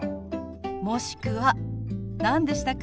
もしくは何でしたか？